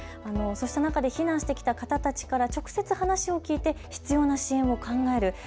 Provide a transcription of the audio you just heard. そうした中で避難してきた方たちから直接話を聞いて必要な支援を考える。